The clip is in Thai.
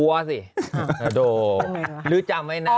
อัดโดลื้อจำไว้นะ